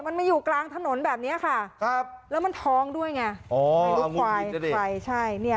มันมาอยู่กลางถนนแบบเนี้ยค่ะครับแล้วมันท้องด้วยไงอ๋อ